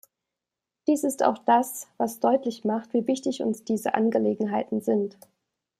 Dies ist auch das, was deutlich macht, wie wichtig uns diese Angelegenheiten sind.